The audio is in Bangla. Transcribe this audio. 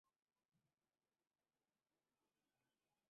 যে কেউ এই বন্ড কিনতে পারবে।